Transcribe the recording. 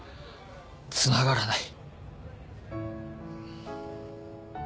つながらない。